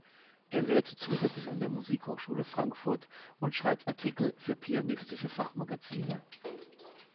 Er lehrt zusätzlich an der Musikhochschule Frankfurt und schreibt Artikel für pianistische Fachmagazine.